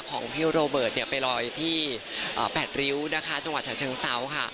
ของพี่โรเบิร์ตเนี้ยไปรออยที่อ่าแปดริ้วนะคะจังหวัดชะเชิงเซาค่ะ